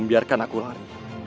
biarkan aku lari